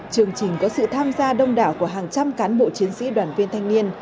chương trình có sự tham gia đông đảo của hàng trăm cán bộ chiến sĩ đoàn viên thanh niên